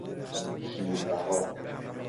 شیر بها